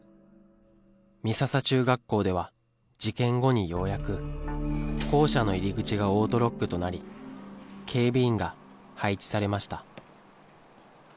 美笹中学校では、事件後にようやく校舎の入り口がオートロックとなり、警備員が配置されました。